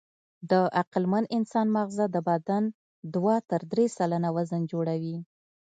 د عقلمن انسان ماغزه د بدن دوه تر درې سلنه وزن جوړوي.